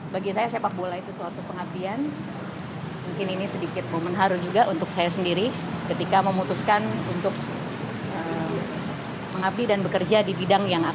bagi saya sepak bola itu suatu pengabdian mungkin ini sedikit momen haru juga untuk saya sendiri ketika memutuskan untuk mengabdi dan bekerja di bidang yang ada